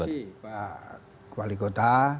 terima kasih pak wali kota